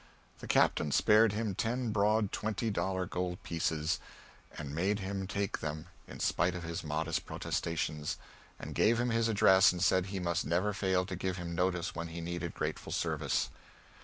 The Captain spared him ten broad twenty dollar gold pieces, and made him take them in spite of his modest protestations, and gave him his address and said he must never fail to give him notice when he needed grateful service.